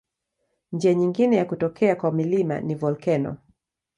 Njia nyingine ya kutokea kwa milima ni volkeno.